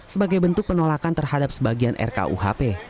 sebagai bentuk penolakan terhadap sebagian rkuhp